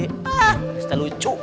hah bisa lucu